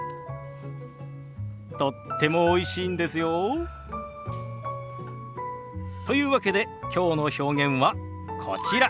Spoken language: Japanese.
とってもおいしいんですよ。というわけできょうの表現はこちら。